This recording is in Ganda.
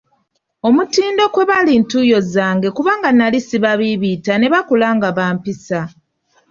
Omutindo kwe bali ntuuyo zange kubanga nnali sibabiibiita ne bakula nga bampisa.